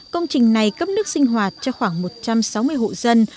công trình này cấp nước sinh hoạt cho khoảng một trăm sáu mươi hộ dân